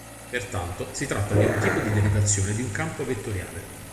Pertanto, si tratta di un tipo di derivazione di un campo vettoriale.